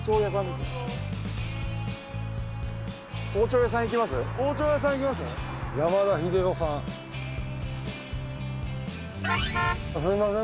すみません。